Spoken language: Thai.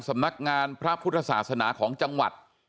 สำนักงานพระพุทธศาสนาของจังหวัด